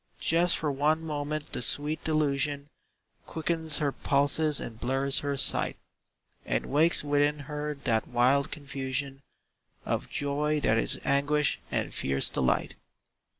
Just for one moment the sweet delusion Quickens her pulses and blurs her sight, And wakes within her that wild confusion Of joy that is anguish and fierce delight.